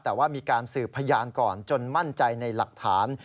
แต่ว่ามีการสืบพยานก่อนจนมั่นใจในหลักฐาน